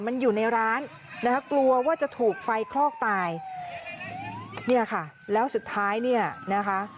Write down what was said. มันอยู่ในร้านนะคะกลัวว่าจะถูกไฟคลอกตายเนี่ยค่ะแล้วสุดท้ายเนี่ยนะคะ